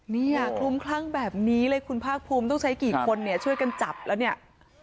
เนี่ยคลุ้มคลั่งแบบนี้เลยคุณภาคภูมิต้องใช้กี่คนเนี่ยช่วยกันจับแล้วเนี่ย